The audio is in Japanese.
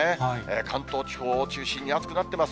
関東地方を中心に暑くなってます。